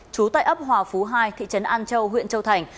trú tại ấp hòa phú hai thị trấn an châu huyện châu thành